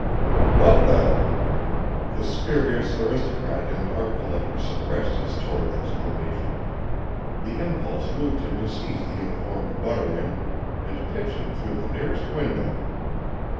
"What the" The spurious aristocrat and art collector suppressed his torrid exclamation. The impulse moved him to seize the uniformed butter in and pitch him through the nearest window.